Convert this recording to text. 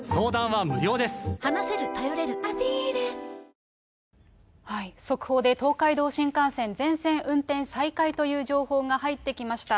ニトリ速報で、東海道新幹線、全線運転再開という情報が入ってきました。